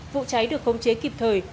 vụ cháy được khống chế kịp thời